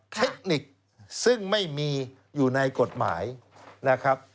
เทคนิคซึ่งไม่มีอยู่ในกฎหมายนะครับ